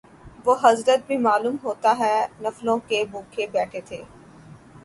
وہ حضرت بھی معلوم ہوتا ہے نفلوں کے بھوکے بیٹھے تھے